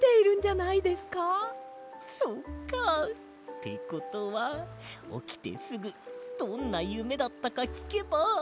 そっか。ってことはおきてすぐどんなゆめだったかきけば。